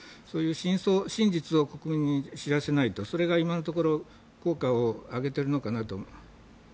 そういう真実を国民に知らせないとそれが今のところ効果を上げているのかなと。